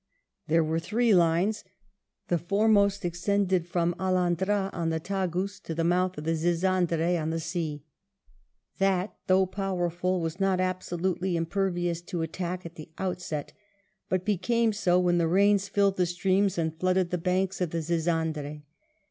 There were three lines. The foremost extended from Alhandra on the Tagus to the mouth of the Zizandre on the sea. That, though power ful, was not absolutely impervious to attack at the outset, but became so when the rains filled the streams and flooded the banks of the Zizandre.